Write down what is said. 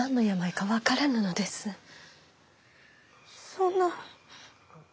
そんな。